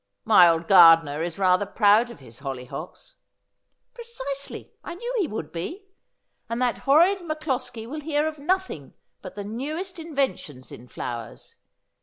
' My old gardener is rather proud of his hollyhocks.' 'Precisely; I knew he would be. And that horrid Mac Closkie will hear of nothing but the newest inventions in flowers.